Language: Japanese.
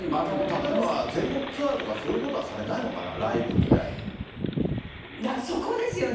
例えば、全国ツアーとか、そういうことはされないのかな、ラそこですよね。